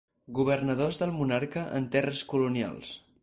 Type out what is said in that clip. Governadors del monarca en terres colonials.